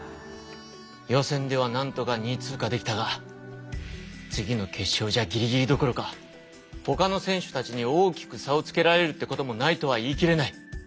予選ではなんとか２位通過できたが次の決勝じゃギリギリどころかほかの選手たちに大きく差をつけられるってこともないとは言い切れない。